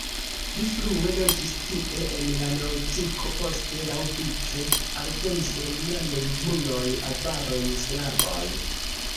Pli frue loĝis tie en la neolitiko, poste laŭvice alvenis romianoj, hunoj, avaroj, slavoj.